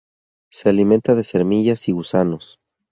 Se alimenta de semillas y gusanos.